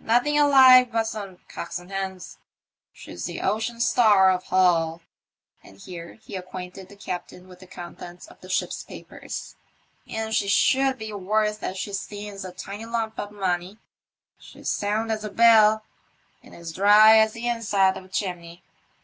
Nothing alive but some cocks and hens. She's the Ocean Star, of Hull," and here he acquainted the captain with the contents of the ship's papers, '* and she should be worth as she stands a tidy lump of money. She's sound as a bell, and as dry as the inside of a chimney."